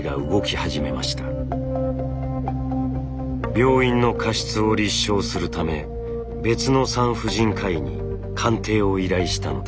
病院の過失を立証するため別の産婦人科医に鑑定を依頼したのです。